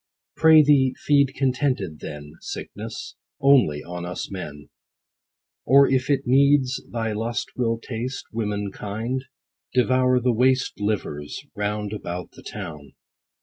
'Pray thee, feed contented then, Sickness, only on us men ; Or if it needs thy lust will taste Woman kind ; devour the waste Livers, round about the town.